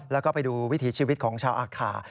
แล้วก็ไปดูวิถีชีวิตของชาวอาคา